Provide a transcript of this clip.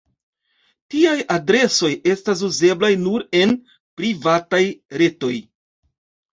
Tiaj adresoj estas uzeblaj nur en "privataj" retoj.